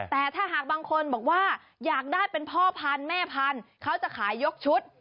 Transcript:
แต่ถ้าหากบางคนบอกว่าอยากได้เป็นพ่อพันธุ์แม่พันธุ์เขาจะขายยกชุด